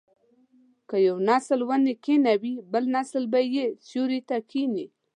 که یو نسل ونې کینوي بل نسل به یې سیوري ته کیني.